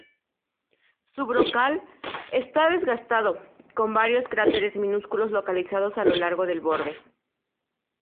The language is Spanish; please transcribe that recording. Su brocal está desgastado, con varios cráteres minúsculos localizados a lo largo del borde.